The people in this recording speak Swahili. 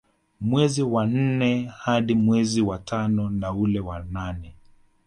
Mwezi wa nne hadi mwezi wa tano na ule wa nane